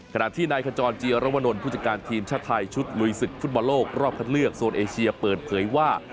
ขณะที่นายขจรเจียรวนลผู้จัดการทีมชาติไทยชุดลุยศึกฟุตบอลโลกรอบคัดเลือกโซนเอเชียเปิดเผยว่า